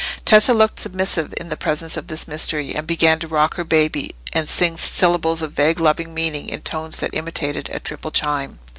Tessa looked submissive in the presence of this mystery, and began to rock her baby, and sing syllables of vague loving meaning, in tones that imitated a triple chime.